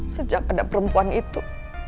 sejak pada perempuan itu